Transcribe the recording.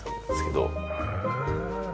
へえ。